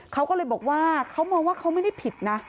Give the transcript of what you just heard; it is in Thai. เขาก็เลยบอกว่าเขามองว่าเขาไม่ได้ผิดนะ